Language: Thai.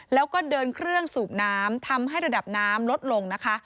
แล้วก็เดินเครื่องสูบน้ำทำให้ระดับน้ำลดลงนะคะ